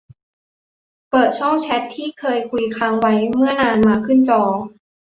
เปิดช่องแชตที่เคยคุยค้างไว้เมื่อนานมาขึ้นจอ